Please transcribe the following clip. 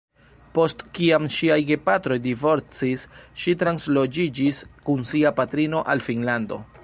Post kiam ŝiaj gepatroj divorcis ŝi transloĝiĝis kun sia patrino al Finnlando.